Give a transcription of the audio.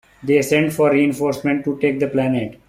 They send for reinforcements to take the planet.